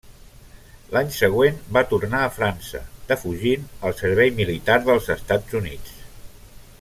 L'any següent va tornar a França, defugint el servei militar dels Estats Units.